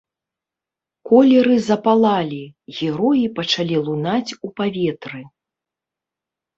Колеры запалалі, героі пачалі лунаць у паветры.